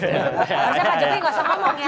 maksudnya pak jokowi gak usah ngomong ya